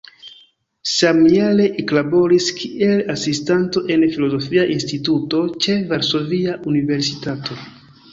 Samjare eklaboris kiel asistanto en Filozofia Instituto ĉe Varsovia Universitato.